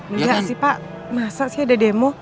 enggak sih pak masa sih ada demo